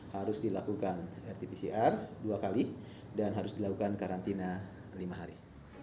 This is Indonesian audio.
harus dilakukan rt pcr dua kali dan harus dilakukan karantina lima hari